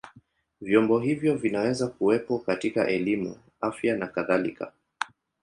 Vyombo hivyo vinaweza kuwepo katika elimu, afya na kadhalika.